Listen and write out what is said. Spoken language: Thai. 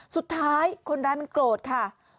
สุดท้ายคนร้ายมันโกรธค่ะ